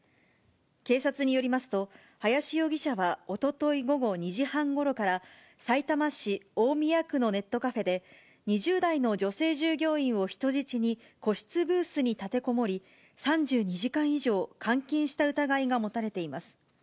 警察によりますと、林容疑者はおととい午後２時半ごろから、さいたま市大宮区のネットカフェで、２０代の女性従業員を人質に個室ブースに立てこもり、３２時間以上、監禁した疑いが持たれています。